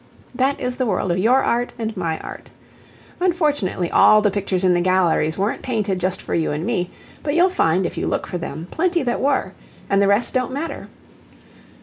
That is the world of your art and my art. Unfortunately all the pictures in the galleries weren't painted just for you and me; but you'll find, if you look for them, plenty that were, and the rest don't matter.